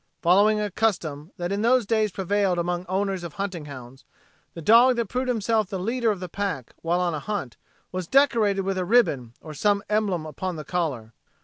Following a custom that in those days prevailed among owners of hunting hounds, the dog that proved himself the leader of the pack while on a hunt was decorated with a ribbon or some emblem upon the collar.